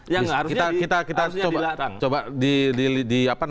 yang harusnya dilatang